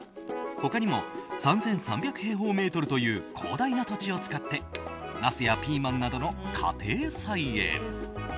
他にも３３００平方メートルという広大な土地を使ってナスやピーマンなどの家庭菜園。